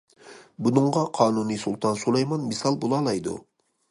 بۇنىڭغا قانۇنى سۇلتان سۇلايمان مىسال بولالايدۇ.